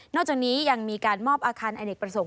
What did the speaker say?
จากนี้ยังมีการมอบอาคารอเนกประสงค์